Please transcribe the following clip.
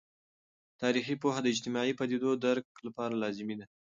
تاریخي پوهه د اجتماعي پدیدو د درک لپاره لازمي ده.